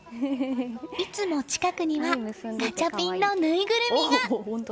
いつも近くにはガチャピンのぬいぐるみが。